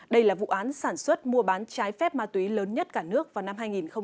đây là vụ án sản xuất mua bán trái phép ma túy lớn nhất cả nước vào năm hai nghìn một mươi bảy